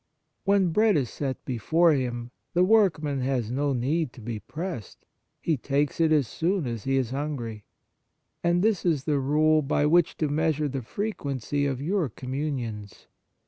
When bread is set before him, the workman has no need to be pressed ; he takes it as soon as he is hungry. And this is the rule by which to measure the frequency of your com munions.